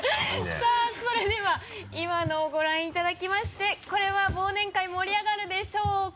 さぁそれでは今のをご覧いただきましてこれは忘年会盛り上がるでしょうか？